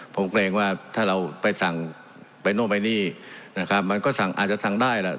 ผมเกรงว่าถ้าเราไปสั่งไปโน้มไปหนี้มันก็อาจจะสั่งได้แล้ว